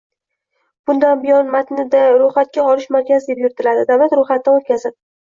bundan buyon matnda ro‘yxatga olish markazi deb yuritiladi davlat ro‘yxatidan o‘tkazadi;